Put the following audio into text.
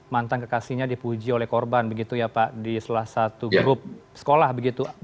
mantan kekasihnya dipuji oleh korban begitu ya pak di salah satu grup sekolah begitu